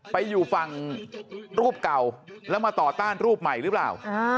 ไปอยู่ฝั่งรูปเก่าแล้วมาต่อต้านรูปใหม่หรือเปล่า